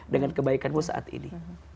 dengan kebaikanmu saat ini